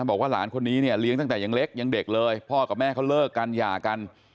บอกว่าหลานคนนี้เนี่ยเลี้ยงตั้งแต่ยังเล็กยังเด็กเลยพ่อกับแม่เขาเลิกกันหย่ากัน